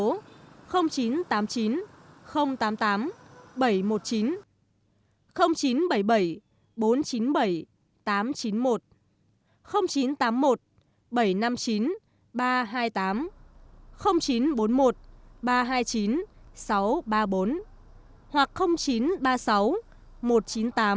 để phản ánh về tình hình trật tự an toàn giao thông tai nạn giao thông chín trăm bảy mươi bảy bốn trăm chín mươi bảy tám trăm chín mươi một chín trăm tám mươi một bảy trăm năm mươi chín ba trăm hai mươi tám chín trăm bốn mươi một ba trăm hai mươi chín sáu trăm ba mươi bốn hoặc chín trăm ba mươi sáu một trăm chín mươi tám ba trăm tám mươi bảy